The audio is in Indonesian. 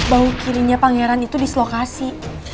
bau kirinya pangeran itu dislokasi